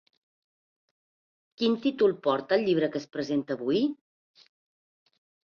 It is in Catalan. Quin títol porta el llibre que es presenta avui?